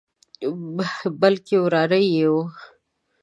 بلکې وراره یې وو.